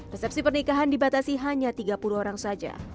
resepsi pernikahan dibatasi hanya tiga puluh orang saja